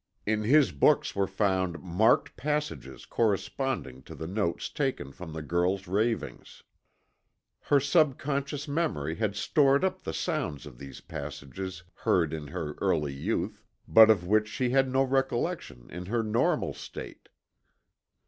In his books were found marked passages corresponding to the notes taken from the girl's ravings. Her subconscious memory had stored up the sounds of these passages heard in her early youth, but of which she had no recollection in her normal state.